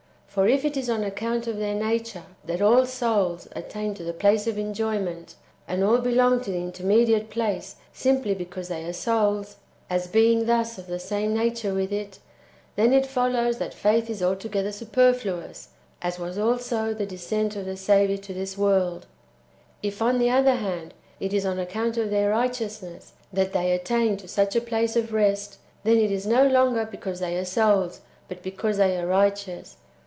For if it is on account of their nature that all souls attain to the place of enjoyment/ and all belong to the intermediate place simply because they are souls, as being thus of the same nature with it, then it follows that faith is altogether super fluous, as was also the descent^ of the Saviour [to this world]. If, on the other hand, it is on account of their righteousness [that they attain to such a place of rest], then it is no longer because they are souls, but because they are righteous.